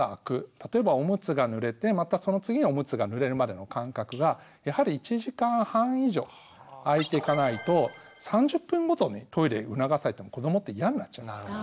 例えばオムツがぬれてまたその次のオムツがぬれるまでの間隔がやはり１時間半以上あいていかないと３０分ごとにトイレ促されても子どもって嫌になっちゃいますから。